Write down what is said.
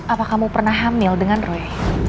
apa kamu pernah hamil dengan roy